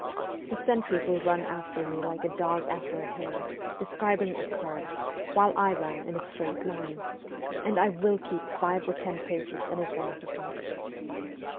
The sentry will run after me like a dog after a hare, describing a curve, while I run in a straight line, and I will keep five or ten paces in advance of him.